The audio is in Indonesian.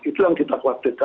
itu yang kita khawatirkan